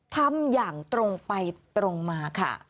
ทำอย่างตรงไปตรงมาค่ะ